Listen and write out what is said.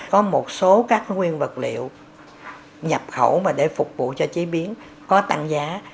có một số các nguyên vật liệu nhập khẩu để phục vụ cho chế biến có tăng giá